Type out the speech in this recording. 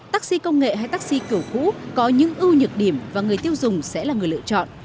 taxi công nghệ hay taxi kiểu cũ có những ưu nhược điểm và người tiêu dùng sẽ là người lựa chọn